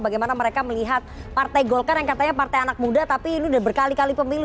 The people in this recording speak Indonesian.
bagaimana mereka melihat partai golkar yang katanya partai anak muda tapi ini udah berkali kali pemilu